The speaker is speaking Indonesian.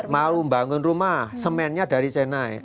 mau membangun rumah semennya dari senay